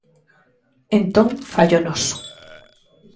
Entón, fallo noso.